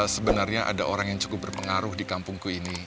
sebenarnya ada orang yang cukup berpengaruh di kampungku ini